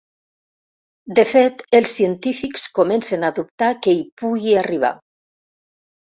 De fet, els científics comencen a dubtar que hi pugui arribar.